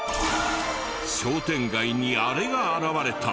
商店街にあれが現れた！